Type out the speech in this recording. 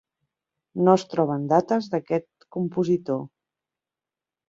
No es troben dates d'aquest compositor.